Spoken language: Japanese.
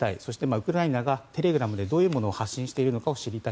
ウクライナがテレグラムでどういうものを発信しているかを知りたい。